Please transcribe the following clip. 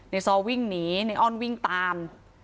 ซอวิ่งหนีในอ้อนวิ่งตาม